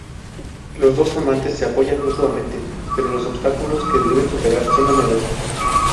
Los dos amantes se apoyan mutuamente, pero los obstáculos que deben superar son numerosos.